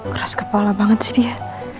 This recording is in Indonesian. keras kepala banget sih dia